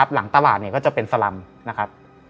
หลังตลาดมันจะเป็นสรำ